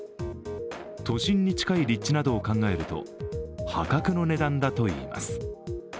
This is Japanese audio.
都心に近い立地などを考えると破格の値段だといいます。